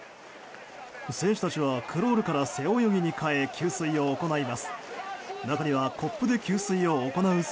選手たちはクロールから背泳ぎに変え、給水を行います。